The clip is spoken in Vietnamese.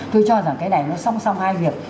tôi cho rằng cái này nó song song hai việc